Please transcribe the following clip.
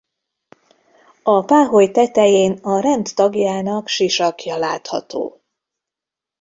A páholy tetején a rend tagjának sisakja látható.